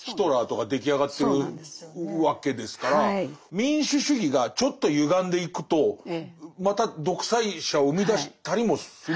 民主主義がちょっとゆがんでいくとまた独裁者を生み出したりもするわけですよね。